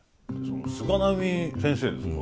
菅波先生ですか？